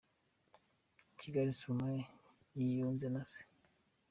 I Kigali Stromae yiyunze na se.